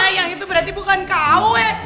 iya yang itu berarti bukan kau